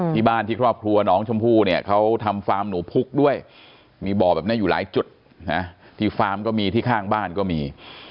ที่บ้านที่ครอบครัวน้องชมพู่เนี่ยเขาทำฟาร์มหนูพุกด้วยมีบ่อแบบนี้อยู่หลายจุดนะที่ฟาร์มก็มีที่ข้างบ้านก็มี